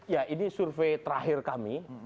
ya ini survei terakhir kami